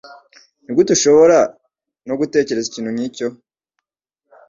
Nigute ushobora no gutekereza ikintu nkicyo?